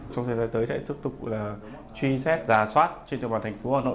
trong thời gian tới sẽ tiếp tục là truy xét giả soát trên trường hợp thành phố hà nội